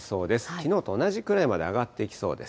きのうと同じくらいまで上がっていきそうです。